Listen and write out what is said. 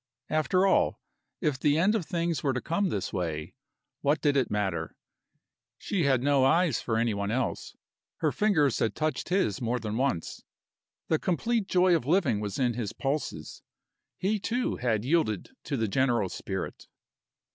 After all, if the end of things were to come this way, what did it matter? She had no eyes for any one else, her fingers had touched his more than once. The complete joy of living was in his pulses. He, too, had yielded to the general spirit.